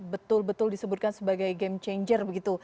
betul betul disebutkan sebagai game changer begitu